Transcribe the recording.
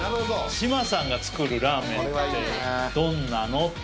志麻さんが作るラーメンってどんなの？っていう。